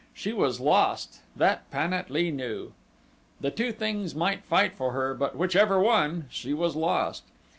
She was lost that Pan at lee knew. The two things might fight for her, but whichever won she was lost.